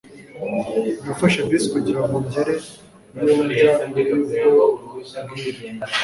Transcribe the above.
nafashe bisi kugira ngo ngere iyo njya mbere yuko bwira